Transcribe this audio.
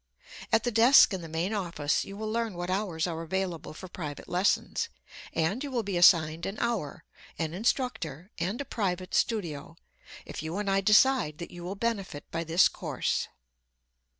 At the desk in the main office you will learn what hours are available for private lessons, and you will be assigned an hour, an instructor and a private studio, if you and I decide that you will benefit by this course.